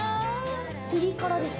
ピリ辛ですか？